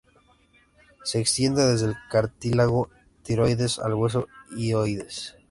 Se extiende desde el cartílago tiroides al hueso hioides.